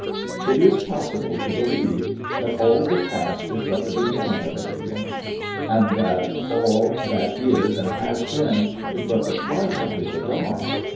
It is possible to believe that all the past is but the beginning of a beginning, and that all that is and has been is but the twilight of the dawn.